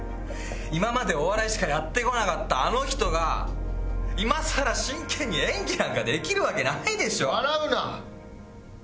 今までお笑いしかやってこなかったあの人が今更真剣に演技なんかできるわけないでしょ！